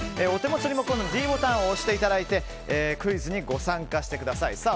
お手持ちのリモコンのｄボタンを押していただいてクイズにご参加ください。